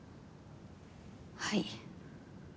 はい。